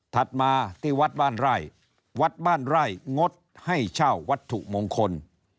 มาที่วัดบ้านไร่วัดบ้านไร่งดให้เช่าวัตถุมงคล